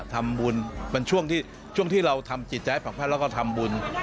ทำบุญเป็นช่วงที่ช่วงที่เราทำจิตใจให้ผ่องแพร่วแล้วก็ทำบุญ